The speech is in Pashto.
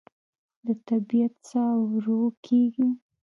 د طبیعت ساه ورو کېږي